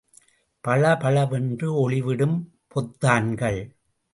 பளபளவென்று ஒளிவிடும் பொத்தான்கள்.